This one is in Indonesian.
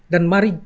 dan mari kita lihat